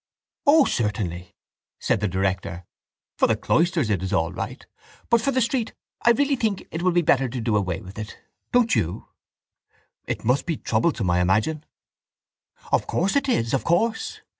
—O certainly, said the director. For the cloister it is all right but for the street I really think it would be better to do away with it, don't you? —It must be troublesome, I imagine. —Of course it is, of course.